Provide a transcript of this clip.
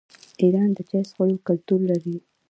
ایران د چای څښلو کلتور لري.